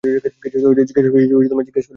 কিছু জিগাস করেছি?